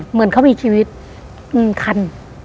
เหมือนเขามีชีวิตคัน